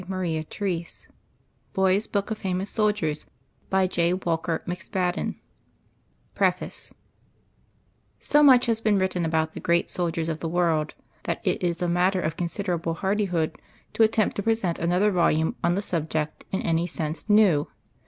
Printed in the United States of America PREFACE So much has been written about the great soldiers of the world, that it is a matter of considerable hardihood to attempt to present another volume on the subject in any sense "new."